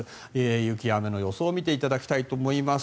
雪や雨の予想を見ていただきたいと思います。